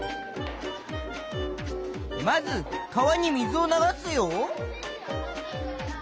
まず川に水を流すよ。